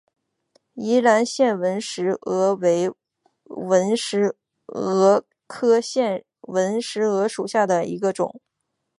宜兰腺纹石娥为纹石蛾科腺纹石蛾属下的一个种。